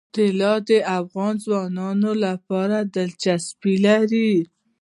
طلا د افغان ځوانانو لپاره دلچسپي لري.